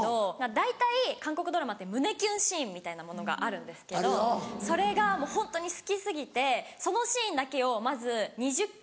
大体韓国ドラマって胸キュンシーンみたいなものがあるんですけどそれがもうホントに好き過ぎてそのシーンだけをまず２０回ぐらい。